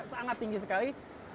sangat tinggi sekali